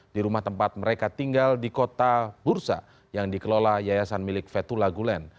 di rumah tempat mereka tinggal di kota bursa yang dikelola yayasan milik fethullah gulen